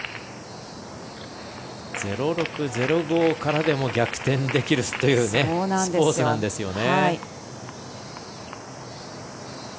０−６、０−５からでも逆転できるスポーツなんですよね。